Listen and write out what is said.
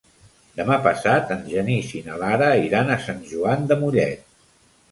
Demà passat en Genís i na Lara iran a Sant Joan de Mollet.